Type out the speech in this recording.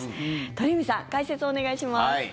鳥海さん、解説をお願いします。